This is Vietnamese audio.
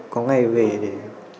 có ngày về để